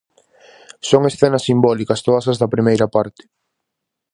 Son escenas simbólicas todas as da primeira parte.